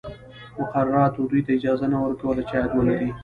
مقرراتو دوی ته اجازه نه ورکوله چې عاید ولري.